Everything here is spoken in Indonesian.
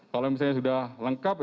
kalau misalnya sudah lengkap